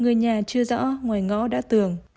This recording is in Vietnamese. người nhà chưa rõ ngoài ngõ đã tưởng